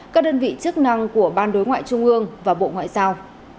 các đơn vị chức năng của ban đối ngoại trung ương và bộ ngoại giao